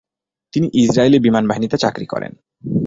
তিনি ইসরায়েলি বিমান বাহিনীতে চাকরি করেন।